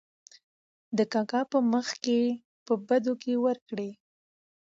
د کاکا په مخکې په بدو کې ور کړې .